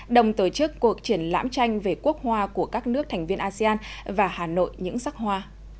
đồng tổ chức cuộc triển lãm tranh về quốc hoa của các nước thành viên asean và hà nội những sắc hoa